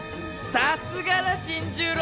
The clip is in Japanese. さすがだ新十郎！